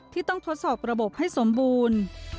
ที่ต้องทดสอบระบบให้สมบูรณ์